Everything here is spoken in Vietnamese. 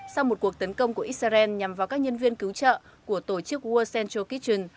sau một cuộc tấn công của israel nhằm vào các nhân viên cứu trợ của tổ chức world central kitchen